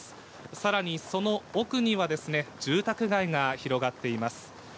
さらにその奥には、住宅街が広がっています。